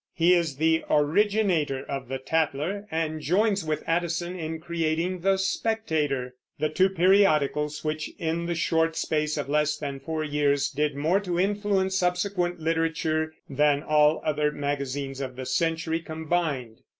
He is the originator of the Tatler, and joins with Addison in creating the Spectator, the two periodicals which, in the short space of less than four years, did more to influence subsequent literature than all other magazines of the century combined.